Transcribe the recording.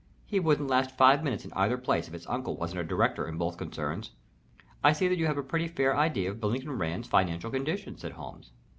He wouldn't last five minutes in either place if his uncle wasn't a director in both concerns." "I see that you have a pretty fair idea of Billington Rand's financial condition," said Holmes.